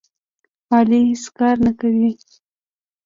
علي هېڅ کار نه کوي.